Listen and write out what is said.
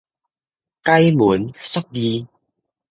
解文說字